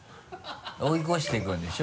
追い越して行くんでしょ？